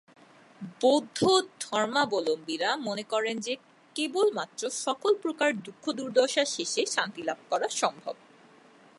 বৌদ্ধ ধর্মাবলম্বীরা মনে করেন যে, কেবলমাত্র সকল প্রকার দুঃখ-দূর্দশা শেষে শান্তি লাভ করা সম্ভব।